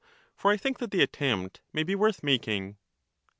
for I think that the attempt may be worth Socrates, making.